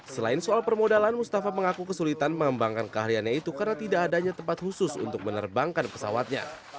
selain soal permodalan mustafa mengaku kesulitan mengembangkan keahliannya itu karena tidak adanya tempat khusus untuk menerbangkan pesawatnya